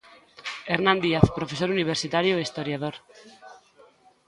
Hernán Díaz, profesor universitario e historiador.